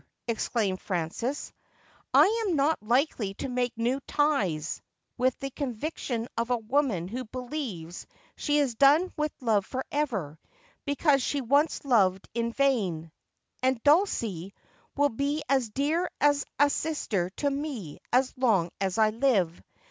exclaimed Frances, 'I am not likely to make new ties,' with the conviction of a woman who believes she has done with love for ever, because she once loved in vain, ' and Dulcie will be as dear as a sister to me as long as I live.